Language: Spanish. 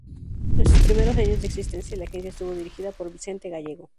En sus primeros años de existencia la agencia estuvo dirigida por Vicente Gállego.